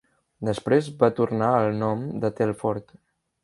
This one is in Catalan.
Després va tornar al nom de Telfort.